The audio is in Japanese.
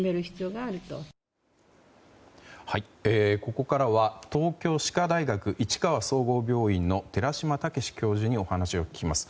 ここからは東京歯科大学市川総合病院の寺嶋毅教授にお話を伺います。